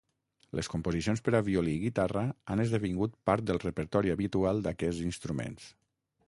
Les composicions per a violí i guitarra han esdevingut part del repertori habitual d'aquests instruments.